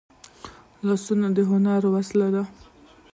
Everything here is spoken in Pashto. لاسونه د هنر وسیله ده